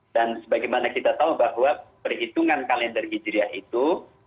dan sebagaimana kita tahu bahwa perhitungan kalender hijriyah itu